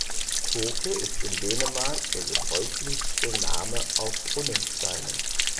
Toke ist in Dänemark der gebräuchlichste Name auf Runensteinen.